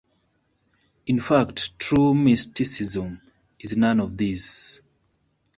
In fact, true mysticism is none of these.